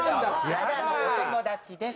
ただのお友達です。